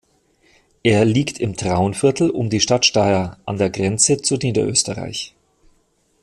Er liegt im Traunviertel um die Stadt Steyr, an der Grenze zu Niederösterreich.